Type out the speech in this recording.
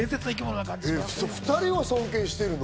２人を尊敬してるの？